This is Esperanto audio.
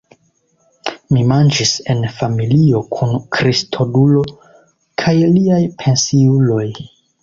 Mi manĝis en familio kun Kristodulo kaj liaj pensiuloj.